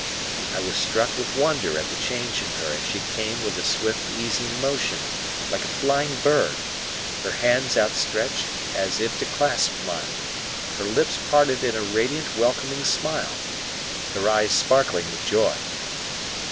I was struck with wonder at the change in her as she came with a swift, easy motion, like a flying bird, her hands outstretched as if to clasp mine, her lips parted in a radiant, welcoming smile, her eyes sparkling with joy.